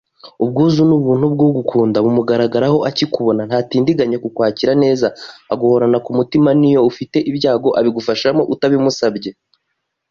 Ubwuzu n’ubuntu bw’ugukunda bumugaragaraho akikubona ntatindiganya kukwakira neza aguhorana ku mutima n’iyo ufite ibyago abigufashamo utabimusabye